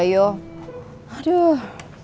hape juga yuk